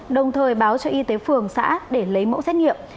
đồng thời báo cho y tế phường xã để lấy mẫu xét nghiệm